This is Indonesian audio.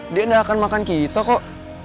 dia nggak akan makan kita kok